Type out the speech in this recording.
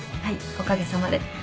おかげさまで。